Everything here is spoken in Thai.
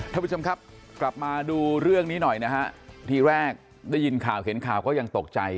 ท่านผู้ชมครับกลับมาดูเรื่องนี้หน่อยนะฮะทีแรกได้ยินข่าวเห็นข่าวก็ยังตกใจ